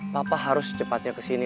papa harus cepatnya kesini